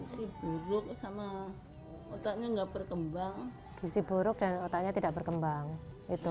gisi buruk sama otaknya enggak berkembang gizi buruk dan otaknya tidak berkembang itu